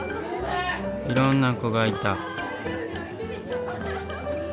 いろんな子がいた。